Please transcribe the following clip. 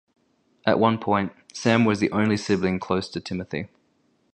At one point, Sam was the only sibling close to Timothy.